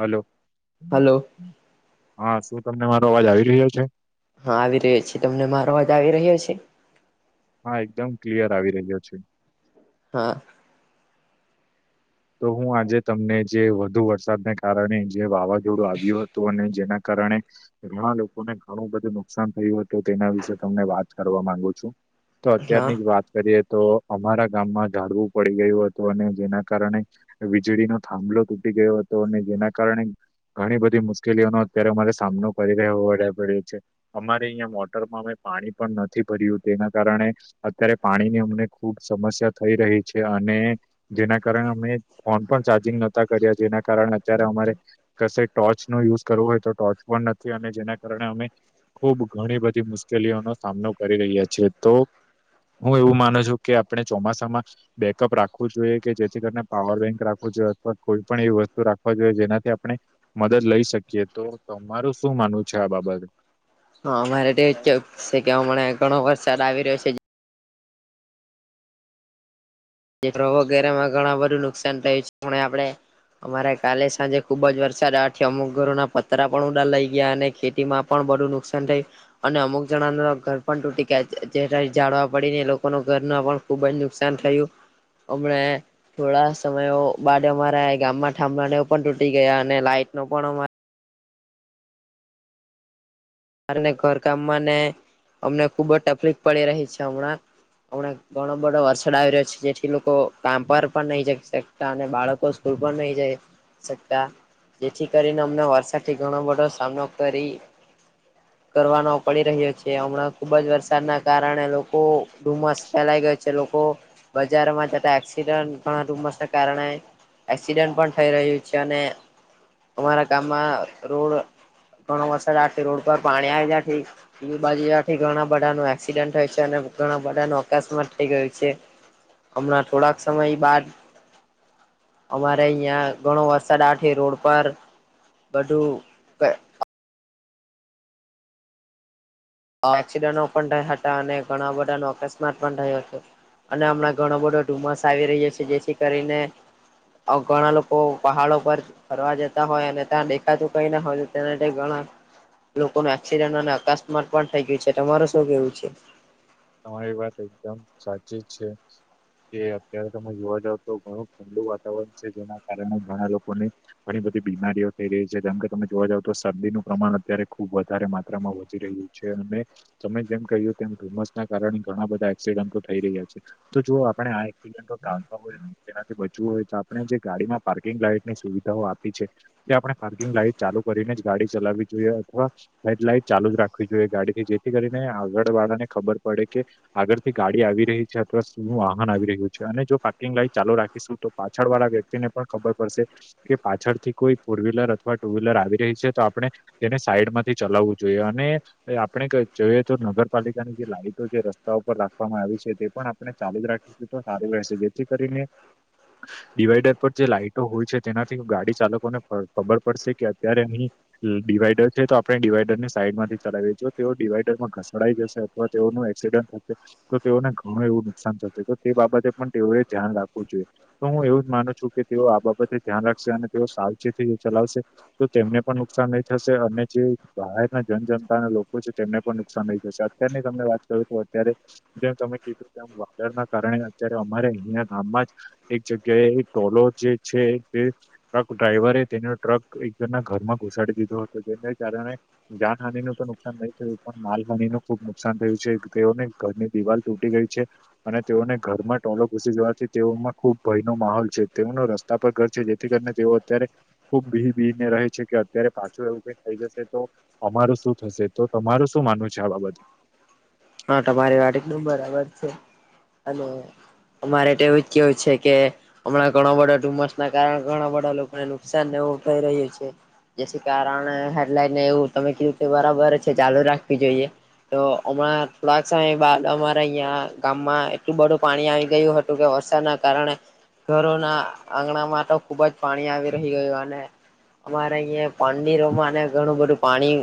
Hello hello હા શું તમને મારો અવાજ આવી રહ્યો છે. હા આવી રહ્યો છે તમને મારો આવાજ આવી રહ્યો છે? હા એકદમ ક્લિયર આવી રહ્યો છે. હા તો હું આજે તમને જે વધુ વરસાદને કારણે જે વાવાઝ- ઝોડું આવ્યું હતું અને જેના કારણે ઘણા લોકોને ઘણું બધું નુકસાન થયું હતું તેના વિશે તમને વાત કરવા માંગુ છું. તો હા અત્યારની જ વાત કરીએ તો અમારા ગામમાં ઝાડવું પડી ગયું હતું અને જેના કારણે વીજળીનો થાંભલો તૂટી ગયો હતો અને જેના કારણે ઘણી બધી મુશ્કેલીઓનો અત્યારે અમારે સામનો કરી રહેવે પડ્યો છે. અમારે અહીં મોટરમાં અમે પાણી પણ નથી ભર્યું તેના કારણે અત્યારે પાણીની અમને ખુબ સમસ્યા થઈ રહી છે અને જેના કારણે અમે ફોન પણ ચાર્જિંગ નહોતા કર્યા જેના કારણે અત્યારે અમારે કશે ટોર્ચ નો યુઝ કરવો હોય તો ટોર્ચ પણ નથી અને જેના કારણે અમે ખુબ ઘણી બધી મુશ્કેલીઓનો સામનો કરી રહ્યા છીએ તો હું એવું માનું છું કે આપણે ચોમાસામાં બેકઅપ રાખવું જોઈએ કે જેથી કરીને પાવર બેંક રાખું જોઈએ અથવા કોઈ પણ એવી વસ્તુ રાખવા જોઈએ જેનાથી આપણે મદદ લઈ શકીએ તો તમારું શું માનવું છે? આ બાબત હા અમારે તો કેવું છે કે હમણા ઘણો વરસાદ આવી રહ્યો છે. વગેરે માં ઘણા બધું નુકસાન થયું છે પણ આપડે અમારે કાલે સાંજે ખુબ જ વરસાદ આઠથી અમુક ઘરોના પતરા પણ ઉડા લઈ ગયા અને ખેતીમાં પણ બધું નુકસાન થયુ. અને અમુક જણાના ઘર પણ તૂટી ગયા જે ઝાડવા પડીને એ લોકોના ઘર પણ ખૂબ જ નુકસાન થયું. હમણે... થોડા સમયો બાડ અમારા ગામમાં થાંભલા ને એવુ પણ તૂટી ગયા અને લાઈટ નો પણ અમા ઘર કામમાં ને અમને ખુબ જ તકલીફ પડી રહી છે હમણાં હમણા ઘણ બધો વરસાદ આવી રહ્યો છે. જેથી લોકો કામ પર પણ નહી જઈ સકતા અને બાળકો સ્કૂલ પણ નહી જઈ શકતા. જેથી કરીને અમને વરસાદથી ઘણો બધો સામનો કરી કરવાનો પડી રહ્યો છે હમણાં ખુબ જ વરસાદના કારણે લોકો ધુમ્મસ ફેલાઈ ગયો છે લોકો બજારમાં જતા એક્સિડન્ટ ધુમ્મસને કારણે એક્સિડન્ટ પણ થઈ રહ્યું છે અને અમારા ગામમાં રોડ ઘણો વરસાદ આવાથી રોડ પર પાણી આવી જવાથી બાજુથી ઘણા બધા નો એક્સિડન્ટ થયું છે અને ઘણા બધા નું અકસ્માત થઇ ગયું છે. હમણાં થોડાક સમય બાદ અમારે અહિયાં ઘણો વરસાદ આવાથી રોડ પર બધું એક્સિડન્ટો પણ થયા હતા અને ઘણા બધા નો અકસ્માત પણ થયો હતો. અને હમણાં ઘણો બધો ધુમ્મસ આવી રહ્યો છે જેથી કરીને અ ઘણા લોકો પહાડ ઉપર ફરવા જતા હોય અને ત્યાં દેખાતું કઈ ના હોય તેને ઘણા લોકોનું એક્સિડેન્ટ અને અકાસ્માત પણ થઈ ગયું છે તમારે શું કેવું છે? તમારી વાત એકદમ સાચી છે. કે અત્યારે તમે જોવા જાવ તો ઘણું ઠંડું વાતાવરણ છે જેના કારણે ઘણા લોકોને ઘણી બધી બીમારીઓ થઈ રહી છે જેમ કે તમે જોવા જાવ તો શરદીનું પ્રમાણ અત્યારે ખુબ વધારે માત્રામાં વધી રહ્યું છે અને તમે જેમ કહ્યું તેમ ધુમ્મસ કારણે ઘણા બધા એક્સિડન્ટો થઈ રહ્યા છે તો જો આપણે આ એક્સિડન્ટો ટાળવા હોય તેનાથી બચવું હોય તો આપણે જે ગાડીમાં પાર્કિંગ લાઈટ ની સુવિધાઓ આપી છે જે આપણે પાર્કિંગ લાઈટ ચાલુ કરીને જ ગાડી ચલાવવી જોઈએ અથવા હેડલાઈટ ચાલુ જ રાખવી જોઈએ ગાડીથી જેથી કરીને આગળ વાળા ને ખબર પડે કે આગળ થી ગાડી આવી રહી છે અથવા શું વાહન આવી રહ્યું છે અને જો પાર્કિંગ લાઈટ ચાલુ રાખી શું તો પાછળ વાળા વ્યક્તિને પણ ખબર પડશે. કે પાછળથી કોઈ ફોર વ્હીલર અથવા ટુ વ્હીલર આવી રહી છે તો આપણે તેને સાઈડ માંથી ચલાવવું જોઈએ અને આપણે જોઈએ તો નગરપાલિકાની જે લાઈટ જે રસ્તા ઉપર રાખવામાં આવી છે તે પણ આપણે ચાલુ જ રાખીશું તો સારું રહેશે જેથી કરીને [inaudible] ડિવાઈડર પર જે લાાઈટો હોય છે તેનાથી ગાડી ચાલકોને ખબર પડશે કે અત્યારે અહી ડિવાઈડર છે તો આપણે ડિવાઈડર ની સાઈડ માંથી ચલાવીજ તેઓ ડિવાઈડર માં ઘસડાઈ જશે અથવા તેઓનું એસડન્ટ થશે તો તેઓને ઘણું એવું નુકસાન થશે તો તે બાબતે પણ તેઓએ ધ્યાન રાખવું જોઈએ. તો હું એવું જ માનું છું કે તેઓ આ બાબતે ધ્યાન રાખશે અને તેઓ સાવચેતી ચલાવશે તો તેમને પણ નુકસાન નહી થશે અને જે બહારના જનજનતાના લોકો છે તેમને પણ નુકસાન નહીં થશે. અત્યાર ની તમને વાત કરું તો અત્યારે જેમ તમે કીધું. વાદળના કારણે અત્યારે અમારે અહીયાં ગામમાં જ એક જગ્યાએ ટોલો જે છે તે ટ્રક ડ્રાઈવરે તેનો ટ્રક એક જણના ઘરમાં ઘુસાડી દીધો હતો જેને કારણે જાનહાની નું તો નુકસાન નહી થયું પણ માલહાની નું ખુબ નુકસાન થયું છે. તેઓની ઘરની દિવાલ તૂટી ગઈ છે. અને તેઓને ઘરમાં ટોલો ઘુસી જવાથી તેઓમાં ખુબ ભય નો માહોલ છે તેઓનો રસ્તો આ પરા ઘર છે જેથી કરીને તેઓ અત્યારે ખુબ બી બીને રહે છે કે અત્યારે પાછું એવું કઈ થઈ જશે તો અમારું શું થશે તો તમારું શું માનવું છે આ બાબતે હા તમારી વાડી નું બરાબર છે અને અમારે તો એવું જ કેવું છે કે હમણાં ઘણાો બધો ધુમસ ના કારણે ઘણા બધો લોકોને નુકસાન એવું થઈ રહ્યું છે જેથી કારણે હેડલાઈનને એવું તમે કીધું તે બરાબર છે ચાલુ રાખવી જોઈએ તો હમણાં થોડાક સમય બાદ અમારા અહં ગામમાં એટલું બધું પાણી આવી ગયું હતું કે વરસાદના કારણે. ઘરોના આંગણામાં તો ખુબ જ પાણી આવી રહી ગયું અને અમારે અહં પાની રમાં અને ઘણું બધું પાણી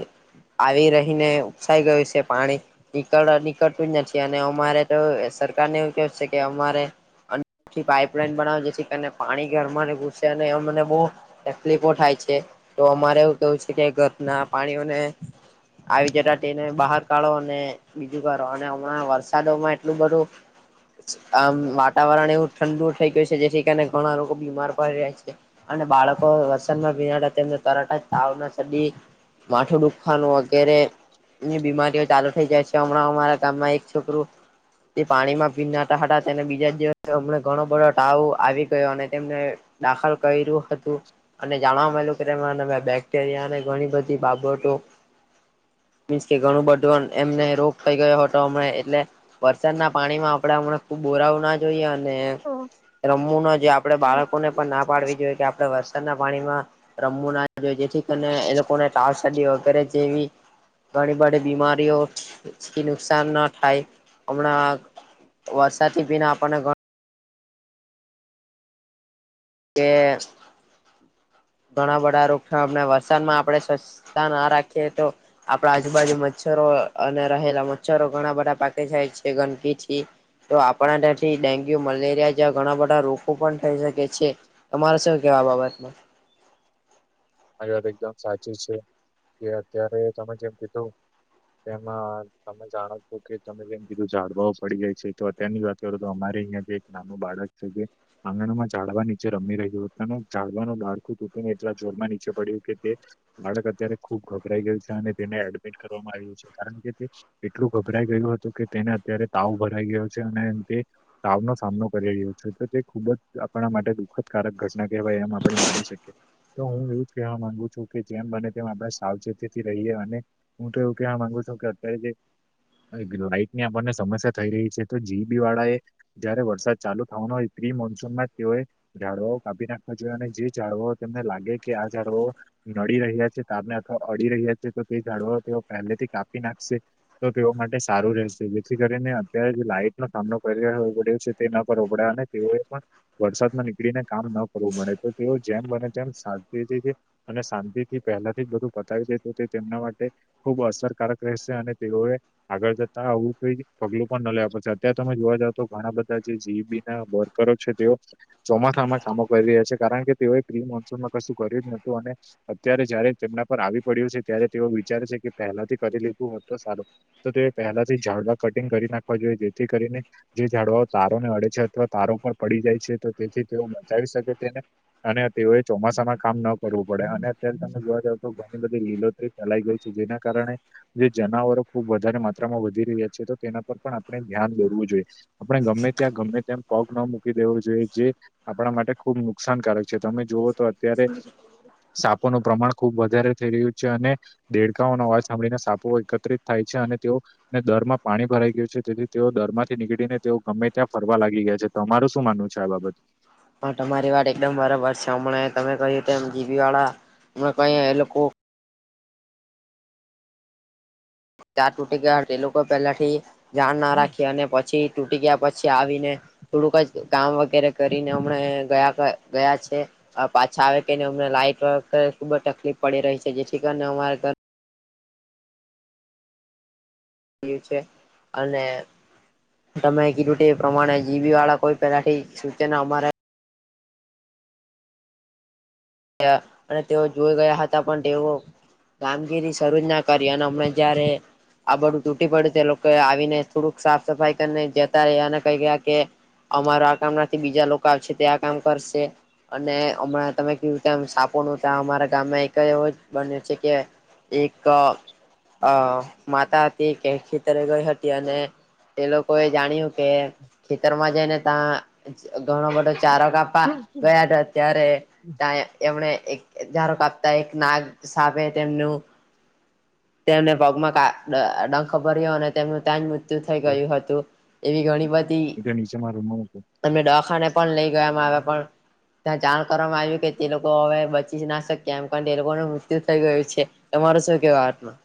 આવી રહીને ઉપસાઈ ગયું છે પાણી નીકળ નીકળતું જ નથી અને અમારે તો સરકારને એવું કેવ છે કે અમારે અને પાપલાઈન બનાવે જેથી પાણી ગરમાને ઘુસે અને એ મને બહ તકલીફો થાય છે તો અમારે એવું કવું છે કે ઘત ના પાણીઓને આવી જતા તેને બહાર કાઢોને બીજું કરો અને હમણાં વરસાદોમાં એટલું બધું આ વાતાવરણ એવું ઠંડુ થઇ ગયું છે જેથી કારણે ઘણા લોકો બીમાર પડી રહ્યા છે અને બાળકો વરસાદ માં ભીના [unintelligible] તરતજ તાવના શરદી માથું દુખતુ. ખાન વગેરે ની બીમારીઓ ચાલુ થઈ જાય છે હમણાં અમારા ગામમાં એક છોકરું. તે પાણી માં ભીંજાતા હતા તેને બીજા જ દિવસે હમને ઘણો બધો ટાવ આવી ગયો અને તેમને દાખલ કરેલું હતું. અને જાણવા મળલ્યું કે બેક્ટેરિયાને ઘણી બધી બાબતો મીન્સ કે ઘણું એમને રોગ થઈ ગયો હતો હમણાં એટલે વરસાદના પાણી માં આપણેે હમણા ખુબ બોરાવું ના જોઈએ અને રમવું ન જે આપડે બાળકો ને ઓકે. પણ ના પાડવી જોઈએ કે આપડે ખતર ના પાણીમાં રમવું ના જો જેથી કરીને એ લોકોને તાવડી વગેરે જેવી ઘણી બધી બીમારીઓથી નુકસાન ના થાય હમણાં વરસાદ થી ભીના આપણને કે ઘણા બધા વૃક્ષ વસનમાં આપડણે સ્વચછતા ના રાખીએ તો આપણા આજુબાજુ મચ્છરો અને રહેલા મચ્છરો ઘણા બધા પાકે થાય છે ગંદકીથી તો આપણા ત્યાંથી ડેન્ગ્યુ મલેરિયા જેવા ઘણા બધા રોગ પણ થઈ શકે તમારે શું કેવા આ બાબતમાં આ વાત એકદમ સાચી છે કે અત્યારે તમે જેમ કીધું તેમાં તમે જાણો છો કે તમે કેમ કીધું જાડવાઓ પડી જાય છે. તની વાત કરો તો અમારે અહિયાંી એક નાનું બાળક છે કે આંગણ માં ઝડવા નીચે રમી રહ્યું હતા ઝડવાનું લાડું તૂુંને એટલા જોર થી નીચે પડ્યું કે તે બાળક અત્યારે ખુબ ગભરાઈ ગયું છે અને તેને એડમિટ કરવામાં આવ્યું છે. કારણ કે તે એટલું ગભરાઈ ગયું હતું કે તેને અત્યારે તાવ ભરાઈ ગયો છે અને તે તાવનોો સામનો કરી રહ્યો છે તો તે ખૂબ જ આપણા માટે દુઃખદકારક ઘટના કહેવાય એમ આપણે માની શકીએ તો હું એવું જ કવા માંગુ છું કે જેમ બને તેમ આપણે સાવચેતીથી રહીએ અને હું તો એવું કવા માંગુ છું કે અત્યારે જે લાઈટ ની આપણને સમસ્યા થઈ રહી છે તો જી ઈ બી વાળા એ જયારે વરસાદ ચાલુ થવાનો હોય પ્ર્રી મોન્સૂન માં તેઓએ જાડવાઓ કાપી નાખવા જોઈએ અને જે ઝાડુ તેમને લાગે કે આ ઝાડવા ઓ નડી રહ્યા છે તાપને અથવા અડી રહ્યા છે તો તે ઝાડુ તેઓ પહેલેથી કાપી નાખશે તો તેઓ માટે સારું રહેશે જેથી કરીને અત્યારે જે લાઈટનો સામનો કર પડ્યો છે તે ના પર રબડા અને તેઓએ પણ વરસાદમાં નીકળીને કામ ન કરવું મળે તો તેઓ જેમ બને તેમ સા તીતી અને શાંતિ થી પહેલાથી જ બધું પતાવી દાય તો તે તેમના માટે ખૂબ અસરકારક રહેશે અને તેઓએ આગળ જતાં આવું કઈ પગલું પણ ન લે પડશે અત્યારે તમે જોવા જાવ તો ઘણા બધા જે જી વી બી ના કરો છે તેઓ ચોમાસામાં કામો કરી રહ્યા છે કારણ કે તેઓએ કિમ મોનસૂનમાં કશું કર્યું જ નતું અને અત્યારે જયારે તેમના પર આવી પડ્યું છે ત્યારે તેઓ વિચારે છે કે પહેલાથી કરી લીધું હો તો સારું તો તે પહેલા થી ઝાડવા કટિંગ કરી નાખવા જોઈએ જેથી કરીને જે જાઝડવાઓ તારો ને અડે છે અથવા તારો પણ પડી જાય છે તો તેથી તેઓ મચાવી શકે તેને અને તેઓએ જ ચોમાસામાં કામ ન કરવું પડે અને અત્યારે તમે જોવા જાવ તો ઘણી બધી લીલોતરી ફેલાઈ ગઈ છે જેના કારણે જે જનાવરો ખુબ વધારે માત્રામાં વધી રહ્યા છે તો તેના પર પણ આપણે ધ્યાન દોરવું જોઈએ આપણે ગમે ત્યાં ગમે ત્યા પગ ન મૂકી દેવો જોઈએ જે આપણા માટે ખૂબ નુકસાનકારક છે તમે જોુવઓ તો અત્યારે સાપોનું પ્રમાણ ખુબ વધારે થઈ રહ્યું છે અને દેડકાઓનો અવાજ સાંભળીને સાપો એકત્રિત થાય છે અને તેઓ ને દર માં પાણી ભરાઈ ગયું છે તેથી તેઓ દર માંથી નીકળીને તેઓ ગમે ત્યાં ફરવા લાગી ગયા છે. તમારું શું માનવું છે આ બાબત હ તમારી વાત એકદમ બરાબર છે હમણાં તમે કહ્યું તેમ જીબી વાળા હમણા કહી એ લોકો ચા તૂટે ગયા તે લોકો પહેલાથી ધ્યાન ના રાખી અને પછી તૂટી ગયા પછી આવીને થોડુંક જ કામ વગેરે કરીને હમણા ગયા ગયા છે. પાછા આવે કે અમને લાઈટ વ ખબ જ તકલીફ પડી રહી છે જેથી કરીને અમારા ઘ લી છે અને તમે કીધું તે પ્રમાણે જી વી બી વાળા કોઈ પેલાથી સૂચન અમારે અને તેઓ જોઈ ગયા હતા પણ તેઓ કામગીરી શરૂ જ ના કરી અને હમણા જયારે આ બડું તૂટી પડ્યું છે એ લોકો આવીને થોડુંક સાફ સફાઈ કરીને જતા રહ્યા અને કઈ ગયા કે અમારા આ કામ નાથી બીજા લોકો આવશે તે આ કામ કરશે અને હમણાં તમે કેયૂ સાપો નું અમારા ગામમાં એક એવ બન્યો છે કે એક અ માતા હતી કે ખી તરે ગઈ હતી અને એ લોકો એ જાણ્યું કે ખેતરમાં જઈને ત્યા ઘણ બડ ચાર કપા ગયા રત્યારે એમણે એક ધારો કાપતા એક નાગ સાબે તેમનું તેમને પગમાં ક ડંખ ભર્યો અને તેમનું ત્યાં જ મૃત્યુ થઈ ગયું હતું એવી ઘણી બધી નીચે મારા રૂમમાં મૂકો એમને ડવાખાને પણ લઈ ગયા [unintelligible] પણ ત્યાં જાણ કરવામાં આવ્યું કે તે લોકો હવે બચી જ ના શક્યા એમ કર તે લોકોનું મૃત્યુ થઈ ગયું છે. તમારે શું કેવુ વાતમાં?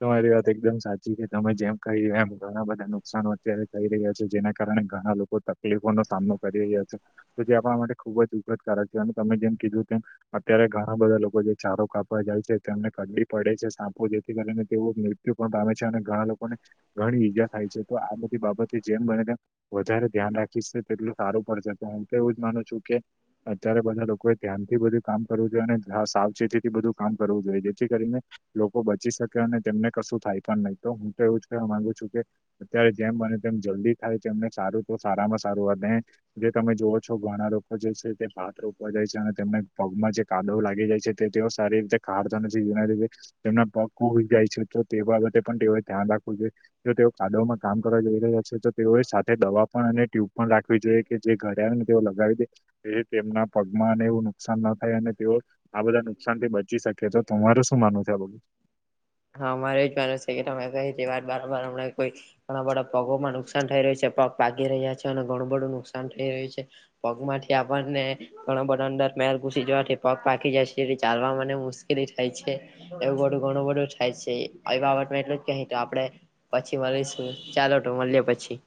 તમારી વાત એકદમ સાચી છે, તમે જેમ કહી એમ ઘણા બધા નુકસનો અત્યારે કહી રહ્યા છે, જેના કારણે ઘણા લો કો તકલીફો નો સામનો કરી રહ્યા છે, તો તે આપણા માટે ખુબ જ દુખદકારક છે, અને તમે જેમ કીધું તેમ અત્યારે ઘણા બધા લોકો જે ચારો કાપવા જાય છે, તેમને ક ડી પડે છે, સાંપુ જેથી કરીને તેવો મૃત્યુ પણ પામે છે, અને ઘણા લોકોને ઘણી ઈજા થાય છે, તો આ બધી બાબતે જેમ બને તેમ વધારે ધ્યાન રાખીશ તેટલું સારું પડશે હું તો એવું જ માનું છું કે અત્યારે બધા લોકોએ ધ્યાનથી બધું કામ કરવું જોઈએ અને જા સાવચેતીથી બધું કામ કરવું જોઈએ જેથી કરીને લોકો બચી શકે અને તેમને કશું થાય પણ નય તો હું તો એવું જ કેવા માંગુ છું કે અત્યારે જેમ બને તેમ જલ્દી થાય એમને સારું તો સારામાં સારું વધે જે તમે જોવો છો ઘણા લોકો જે છે, તે ભાત રોપવા જાય છે, અને તેમને પગમાં જે કાદવ લાગી જાય છે, તે તેઓ સારી રીતે કાઢતા નથી જેના તેમના પ [unintelligible] જાય છે તો તે બાબતે પણ તેયોએ ધ્યાન રાખવું જોએ તો તેઓ કાડોમાં કામ કરવા જઈ રહ્યા છે, તો તેઓ સાથે દવા પણ અને ટ્યુબ પણ રાખવી જોઈએ કે જે ઘરે આવે ને તેઓ લગાવી દે એ તેમના પગમાંને એવું નુકસાન ન થાય અને તેઓ આ બધા નુકસાન થી બચી શકે તો તમારું શું માનવુ છે, આ બા હા મારે એજ માનવુ છે, કે તમે કઈ તે વાત બરાબર હમણા કોઈ ઘણા બધા પગોમાં નુક નુકસાન થઈ રહ્યું છે, પગ પાકી રહ્યા છે, અને ઘણું બધું નુકસાન થઈ રહ્યું છે, પગ માંથી આપણને ઘણા બધા અંદર મેલ ઘૂસી જવાથી પગ પાકી જાય છે, એ ચાલવામા ને મુશ્કેલી થાય છે. એવું બધુ ગણુ બધુ થાય છે, એ બાબતમા એટલું જ કેહે કે આપડે પછી મલીશું ચાલો તો મલીએ પછી